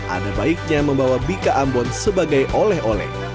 ada baiknya membawa bika ambon sebagai oleh oleh